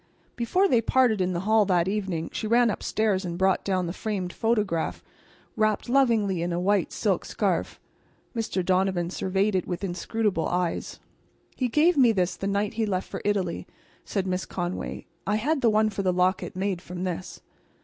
Before they parted in the hall that evening she ran upstairs and brought down the framed photograph wrapped lovingly in a white silk scarf. Mr. Donovan surveyed it with inscrutable eyes. "He gave me this the night he left for Italy," said Miss Conway. "I had the one for the locket made from this."